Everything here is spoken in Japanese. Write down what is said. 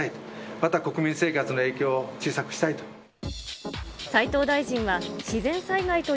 また国民生活の影響を小さくしたいと。